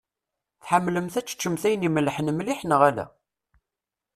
Tḥemmlemt ad teččemt ayen imellḥen mliḥ neɣ ala?